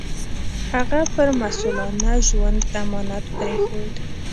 هغه پر مسوولانه ژوند امانت پرېښود.